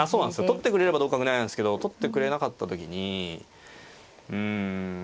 取ってくれれば同角成なんですけど取ってくれなかった時にうん。